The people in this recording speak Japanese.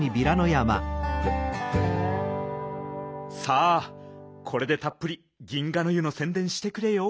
さあこれでたっぷり銀河の湯のせんでんしてくれよ。